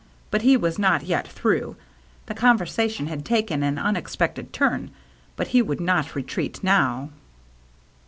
But he was not yet through. The conversation had taken an unexpected turn, but he would not retreat now.